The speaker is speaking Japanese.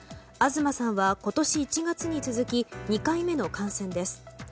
東さんは今年１月に続き２回目の感染です。